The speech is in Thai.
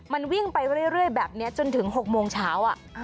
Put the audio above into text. มันวิ่งไปเรื่อยแบบนี้จนถึง๖โมงเช้า